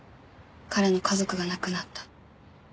彼の家族が亡くなった。